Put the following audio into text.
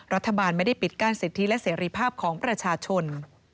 รัฐบาลไม่ได้ปิดกั้นสิทธิและเสรีภาพของประชาชน